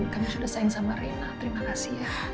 kamu sudah sayang sama rina terima kasih ya